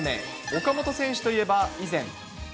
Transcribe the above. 岡本選手といえば、以前。